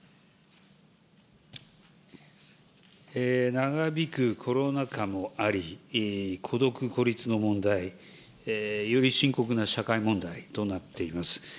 長引くコロナ禍もあり、孤独・孤立の問題、より深刻な社会問題となっております。